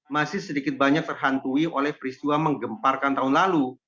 masih sedikit banyak terhantui oleh peristiwa menggemparkan tahun lalu